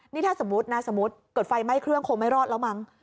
นี่ถ้าสมมุตินะสมมุติเกิดไฟไหม้เครื่องคงไม่รอดแล้วมั้ง